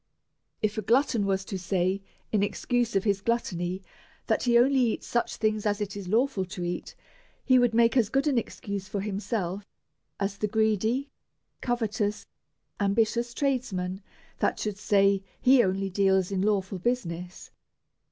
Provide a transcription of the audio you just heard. If a glutton was to say in excuse of his gluttony, that he only eats such things as it is lawful to eat, he would make as good an excuse for himself, as the greedy, covetous, ambitious tradesman, that should say he only deals in lawful business.